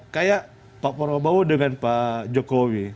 kayak pak prabowo dengan pak jokowi